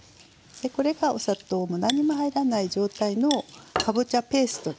これがお砂糖も何にも入らない状態のかぼちゃペーストですね基本の。